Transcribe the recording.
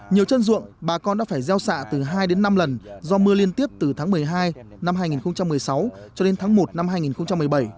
nhiều chân ruộng bà con đã phải gieo xạ từ hai đến năm lần do mưa liên tiếp từ tháng một mươi hai năm hai nghìn một mươi sáu cho đến tháng một năm hai nghìn một mươi bảy